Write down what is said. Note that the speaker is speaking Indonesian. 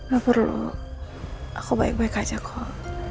gak perlu aku baik baik aja kok